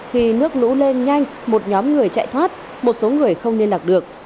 khi nước lũ lên nhanh một nhóm người chạy thoát một số người không liên lạc được